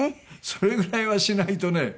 それぐらいはしないとね。